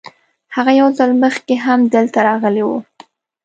هغه یو ځل مخکې هم دلته راغلی و.